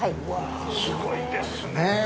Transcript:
すごいですね。